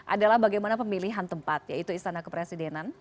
adalah bagaimana pemilihan tempat yaitu istana kepresidenan